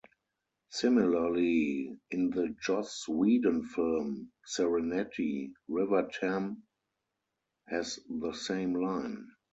Similarly, in the Joss Whedon film "Serenity", River Tam has the same line.